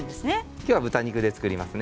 今日は豚肉で作りますね。